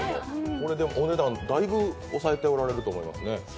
これで、お値段だいぶ抑えておられると思いますね。